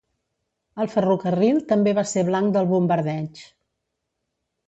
El ferrocarril també va ser blanc del bombardeig.